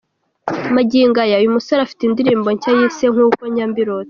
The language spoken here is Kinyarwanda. magingo aya uyu musore afite indirimbo nshya yise ’Nkuko njya mbirota.